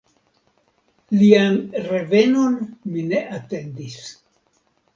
Lian revenon mi ne atendis.